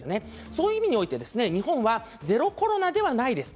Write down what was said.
そういう意味において日本はゼロコロナではないです。